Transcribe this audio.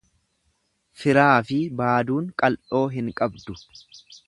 Firaafi baaduun qal'oo hin qabdu.